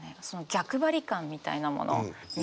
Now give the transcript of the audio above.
逆張り感みたいなもの三島の。